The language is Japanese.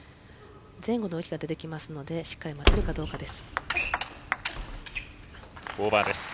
前後の動きが出てきますのでしっかり待てるかどうかです。